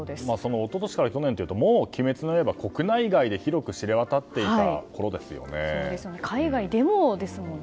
一昨年から去年というともう「鬼滅の刃」、国内外で広く知れ渡っていたころですよね。